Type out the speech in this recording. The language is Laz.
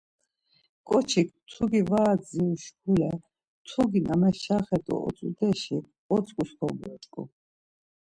Ǩoçik mtugi var adziru şkule mtugi na meşaxert̆u otzudeşi otzǩus kogyoç̌ǩu.